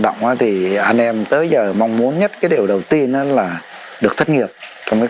động quá thì anh em tới giờ mong muốn nhất cái điều đầu tiên đó là được thất nghiệp trong các